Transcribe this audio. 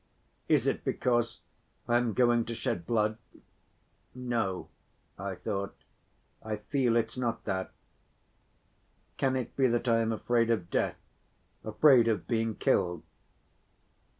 Is it because I am going to shed blood? No," I thought, "I feel it's not that. Can it be that I am afraid of death, afraid of being killed?